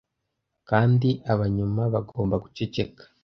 kandi aba nyuma bagomba guceceka